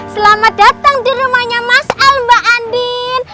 selamat datang di rumahnya mas al mbak andin